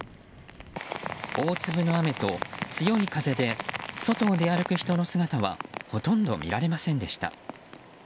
大粒の雨と強い風で外を出歩く人の姿はほとんど見られませんでした。